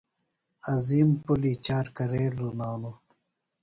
عظیم پُلی چار کرے لُنانوۡ؟